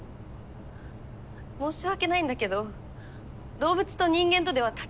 申し訳ないんだけど動物と人間とでは立場が違う。